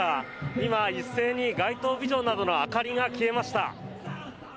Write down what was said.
今、一斉に街頭ビジョンなどの明かりが消えました。